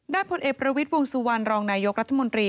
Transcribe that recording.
ด้านพลเอกประวิทวงศุวรรณรองนายกรัฐมนตรี